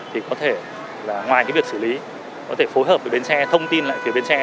thì có thể ngoài việc xử lý có thể phối hợp với bến xe thông tin lại về bến xe